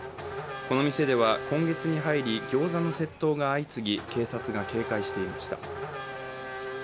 この店では今月に入りギョーザの窃盗が相次ぎ警察が警戒していました。